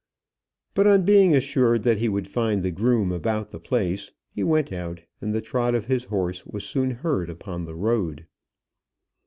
But on being assured that he would find the groom about the place, he went out, and the trot of his horse was soon heard upon the road.